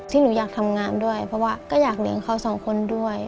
ที่หนูอยากทำงานด้วยเพราะว่าก็อยากเลี้ยงเขาสองคนด้วย